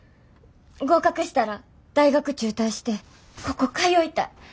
合格したら大学中退してここ通いたい。